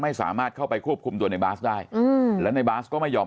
ไม่สามารถเข้าไปควบคุมตัวในบาสได้อืมแล้วในบาสก็ไม่ยอม